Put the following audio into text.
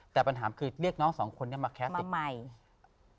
แต่ปัญหาคือเรียกน้อง๒คนมาแคสติด